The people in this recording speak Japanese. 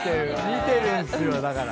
見てるんすよだから。